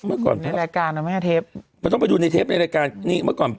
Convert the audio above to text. มักก่อนนั้นเทปเราต้องไปดูในเทปไปด้วยการเมื่อก่อน